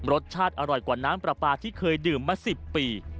รสชาติอร่อยกว่าน้ำปลาปลาที่เคยดื่มมา๑๐ปี